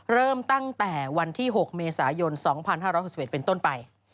เริ่มตั้งแต่วันที่๖เมษายน๒๕๖๑เป็นต้นไป